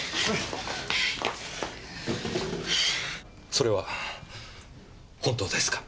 それは本当ですか？